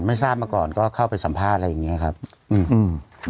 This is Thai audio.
ไม่ทราบมาก่อนก็เข้าไปสัมภาษณ์อะไรอย่างเงี้ยครับอืมอืม